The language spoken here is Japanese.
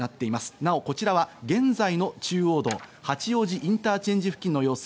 なおこちらは現在の中央道八王子インターチェンジ付近の様子。